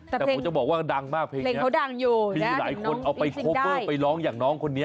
แต่ผมจะบอกว่าดังมากเพลงนี้เพลงเขาดังอยู่มีหลายคนเอาไปโคเวอร์ไปร้องอย่างน้องคนนี้